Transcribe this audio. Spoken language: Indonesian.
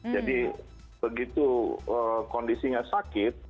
jadi begitu kondisinya sakit